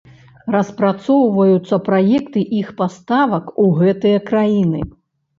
Распрацоўваюцца праекты іх паставак у гэтыя краіны.